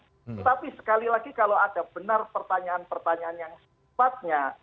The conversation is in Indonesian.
tetapi sekali lagi kalau ada benar pertanyaan pertanyaan yang sempatnya